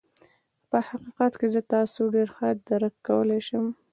په حقيقت کې زه تاسو ډېر ښه درک کولای شم.